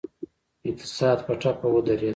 اقتصاد په ټپه ودرید.